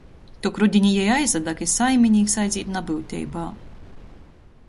Tok rudinī jei aizadag i saiminīks aizīt nabyuteibā.